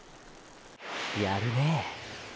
やるねぇ！！